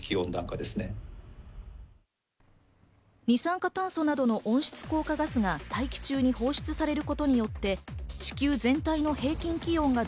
二酸化炭素などの温室効果ガスが大気中に放出されることによって、地球全体の平均気温が